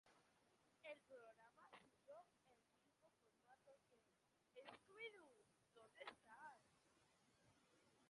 El programa siguió el mismo formato que "¿Scooby-Doo dónde estás?